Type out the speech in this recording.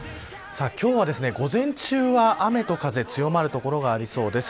今日は午前中は、雨と風強まる所がありそうです。